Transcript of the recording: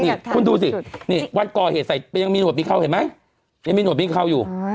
นี่คุณดูสินี่วันก่อเหตุใส่ยังมีหนวดมีเขาเห็นไหมยังมีหวดมีเขาอยู่